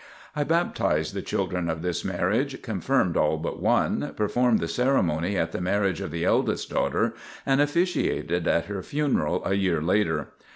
I baptized the children of this marriage, confirmed all but one, performed the ceremony at the marriage of the eldest daughter and officiated at her funeral a year later.